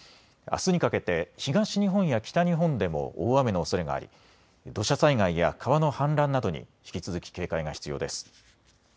あすにかけて東日本や北日本でも大雨のおそれがあり土砂災害や川の氾濫などに引き続き警戒が必要です。